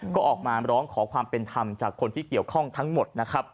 ก็ออกมาร้องขอความเป็นธรรมจากคนที่เกี่ยวข้องทั้งหมดนะครับ